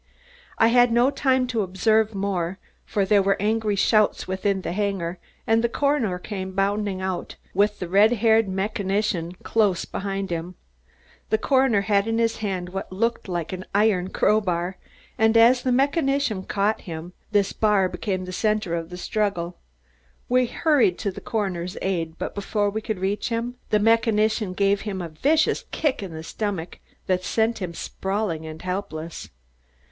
I had no time to observe more, for there were angry shouts within the hangar and the coroner came bounding out, with the red haired mechanician close behind him. The coroner had in his hand what looked like an iron crow bar, and as the mechanician caught him, this bar became the center of the struggle. We hurried to the coroner's aid, but before we could reach him, the mechanician gave him a vicious kick in the stomach that sent him sprawling and helpless.